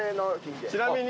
ちなみに。